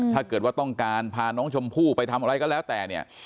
ถ้าเกิดว่าต้องการพาน้องชมพู่ไปทำอะไรก็แล้วแต่เนี่ย